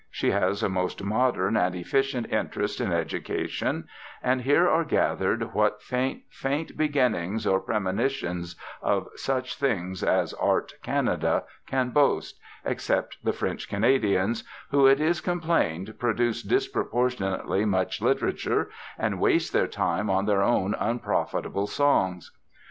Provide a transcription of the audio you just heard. She has a most modern and efficient interest in education; and here are gathered what faint, faint beginnings or premonitions of such things as Art Canada can boast (except the French Canadians, who, it is complained, produce disproportionately much literature, and waste their time on their own unprofitable songs).